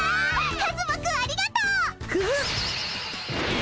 カズマくんありがとう！グッ！